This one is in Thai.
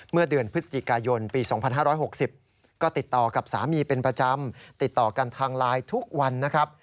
เมื่อเดือนพฤศจิกายนปี๒๕๖๐ก็ติดต่อกับสามีเป็นประจำติดต่อกันทางไลน์ทุกวันนะครับ